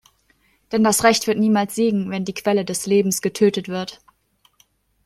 Denn das Recht wird niemals siegen, wenn die Quelle des Lebens getötet wird.